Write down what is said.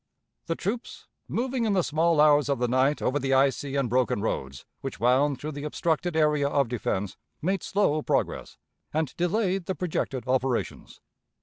The troops, moving in the small hours of the night over the icy and broken roads, which wound through the obstructed area of defense, made slow progress, and delayed the projected operations.